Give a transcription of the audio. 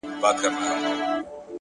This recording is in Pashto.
هره پرېکړه د راتلونکي انځور جوړوي!.